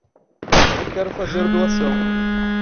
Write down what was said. Eu quero fazer doação.